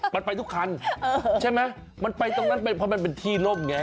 มันไปทุกคันใช่ไหมมันไปตรงนั้นไปเพราะมันเป็นที่ล่มไง